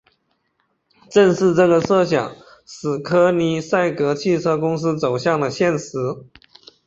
正是这个设想使柯尼塞格汽车公司走向了现实。